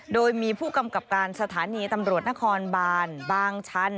โดยมีผู้กำกับการสถานีตำรวจนครบานบางชัน